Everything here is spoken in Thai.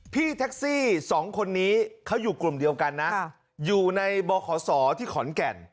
พี่แท็กซี่สองคนนี้เขาอยู่กลุ่มเดียวกันนะอยู่ในบขศที่ขอนแก่น